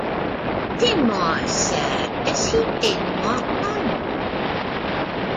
To my sadness he did not come.